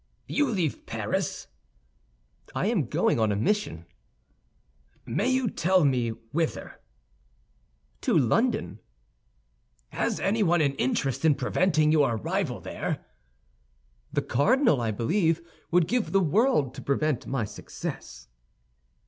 "You leave Paris?" "I am going on a mission." "May you tell me whither?" "To London." "Has anyone an interest in preventing your arrival there?" "The cardinal, I believe, would give the world to prevent my success."